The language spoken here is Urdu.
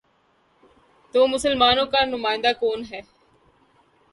تو مسلمانوں کا نمائندہ کون ہے؟